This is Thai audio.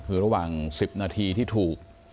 คือระหว่าง๑๐นาทีที่ถูก